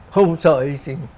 không sợ y sinh